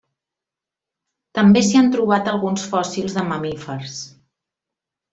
També s'hi han trobat alguns fòssils de mamífers.